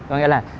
có nghĩa là